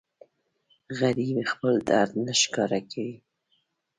غریب خپل درد نه ښکاره کوي